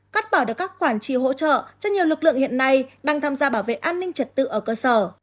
cắt bỏ được các khoản chi hỗ trợ cho nhiều lực lượng hiện nay đang tham gia bảo vệ an ninh trật tự ở cơ sở